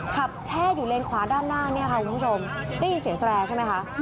แช่อยู่เลนขวาด้านหน้าเนี่ยค่ะคุณผู้ชมได้ยินเสียงแตรใช่ไหมคะ